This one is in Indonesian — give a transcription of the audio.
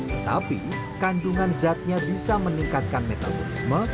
tetapi kandungan zatnya bisa meningkatkan metabolisme